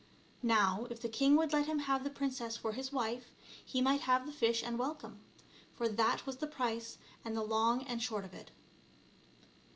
Now, if the king would let him have the princess for his wife, he might have the fish and welcome ; for that was the price, and the long and the short of it.